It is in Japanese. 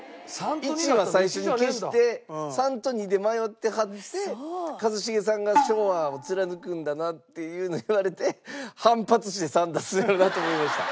１は最初に消して３と２で迷ってはって一茂さんが「昭和を貫くんだな」っていうのを言われて反発して３出すんやろうなと思いました。